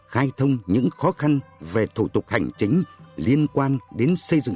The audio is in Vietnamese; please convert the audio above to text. khai thông những khó khăn về thủ tục hành chính liên quan đến xây dựng